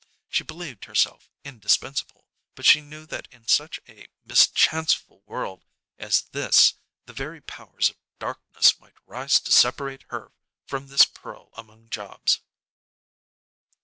She believed herself indispensable, but she knew that in such a mischanceful world as this the very powers of darkness might rise to separate her from this pearl among jobs.